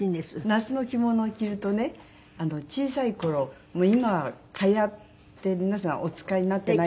夏の着物を着るとね小さい頃今蚊帳って皆さんお使いになっていないと。